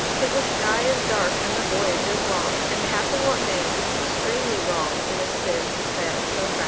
For the sky is dark, and the voyage is long; And, happen what may, it's extremely wrong In a sieve to sail so fast."